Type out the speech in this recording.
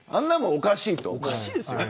おかしいですよ。